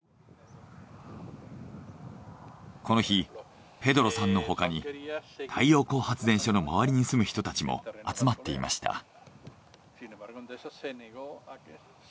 この日ペドロさんのほかに太陽光発電所の周りに住む人たちも集まっていました。